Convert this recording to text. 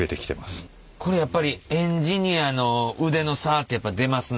これやっぱりエンジニアの腕の差って出ますの？